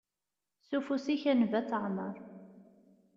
S ufus-ik a Nnbi ad teɛmer.